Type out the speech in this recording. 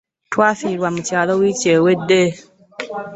Twafirwa mu kyalo wiiki ewedde.